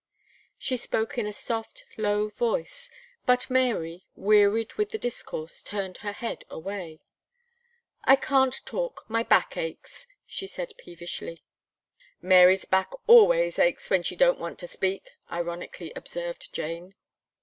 She spoke in a soft, low voice; but Mary, wearied with the discourse, turned her head away. "I can't talk, my back aches," she said peevishly. "Mary's back always aches when she don't want to speak," ironically observed Jane.